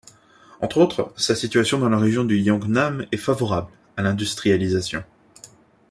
Entre autres, sa situation dans la région du Yeongnam est favorable à l'industrialisation.